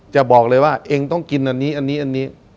จะบอกเลยว่าเองต้องกินอันนี้อันนี้